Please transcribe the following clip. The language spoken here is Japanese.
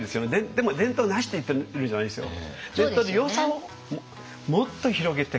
でも伝統なしって言ってるんじゃないですよ。